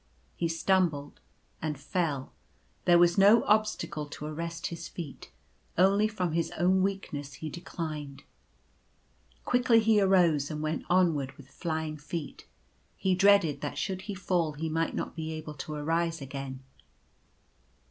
He stumbled and fell. There was no obstacle to arrest his feet ; only from his own weakness he declined. Quickly he arose and went onward with flying feet. He dreaded that should he fall he might not be able to arise again.